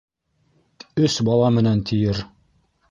Өс бала менән тиер.